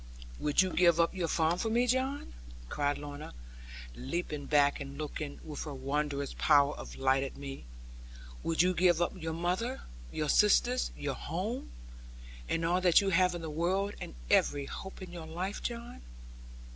'Would you give up your farm for me, John?' cried Lorna, leaping back and looking, with her wondrous power of light at me; 'would you give up your mother, your sisters, your home, and all that you have in the world and every hope of your life, John?'